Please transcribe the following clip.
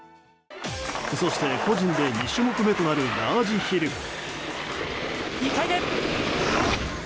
そして、個人で２種目めとなるラージヒル。